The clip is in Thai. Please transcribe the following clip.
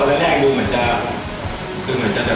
เต้นมาก